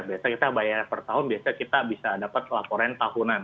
biasanya kita bayar per tahun biasanya kita bisa dapat laporan tahunan